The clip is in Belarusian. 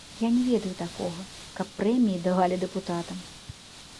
Я не ведаю такога, каб прэміі давалі дэпутатам.